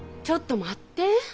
ちょっと待って。